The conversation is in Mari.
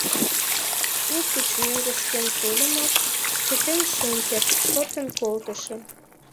Клуб гыч мӧҥгышкем тольымат, чытен шым керт, шортын колтышым.